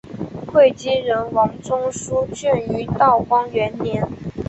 会稽人王仲舒撰于道光元年。